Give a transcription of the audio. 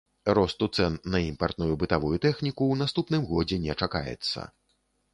Росту цэн на імпартную бытавую тэхніку ў наступным годзе не чакаецца.